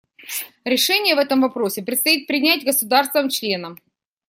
Решение в этом вопросе предстоит принять государствам-членам.